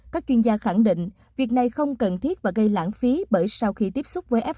các chuyên gia khẳng định việc này không cần thiết và gây lãng phí bởi sau khi tiếp xúc với f